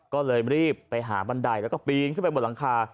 ก็เลยรีบไปหาบันไดแล้วก็ปีนขึ้นไปบนหลังคา